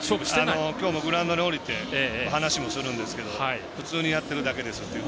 今日もグラウンドに下りて話をしたんですけど普通にやってるだけですっていう。